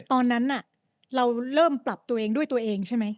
ตอนนั้นเราเริ่มปรับตัวเองด้วยตัวเองใช่ไหม